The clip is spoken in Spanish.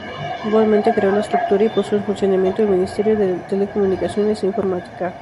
Igualmente creó la estructura y puso en funcionamiento el Ministerio de Telecomunicaciones e Informática.